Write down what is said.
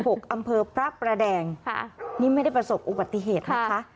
อำเภอพระประแดงค่ะนี่ไม่ได้ประสบอุบัติเหตุนะคะ